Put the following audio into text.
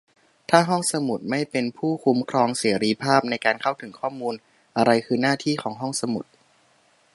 ถ้าห้องสมุดไม่เป็นผู้คุ้มครองเสรีภาพในการเข้าถึงข้อมูล อะไรคือหน้าที่ของห้องสมุด ?